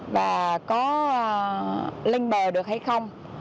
và có lên bờ được hay không